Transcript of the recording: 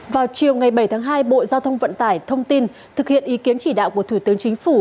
vào chiều ngày bảy tháng hai bộ giao thông vận tải thông tin thực hiện ý kiến chỉ đạo của thủ tướng chính phủ